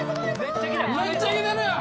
めっちゃ来てるやん！